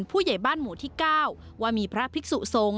ผู้ใหญ่บ้านหมู่ที่๙ว่ามีพระภิกษุทรง